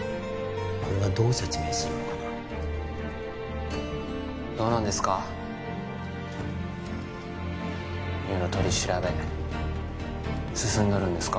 これはどう説明するのかなどうなんですか優の取り調べ進んどるんですか？